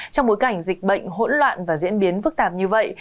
trong bối cảnh dịch bệnh hỗn loạn và diễn biến phức tạp như vậy